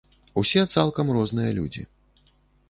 Усе цалкам розныя людзі.